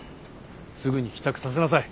すぐに帰宅させなさい。